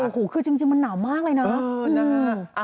โอ้โหคือจริงมันหนาวมากเลยนะ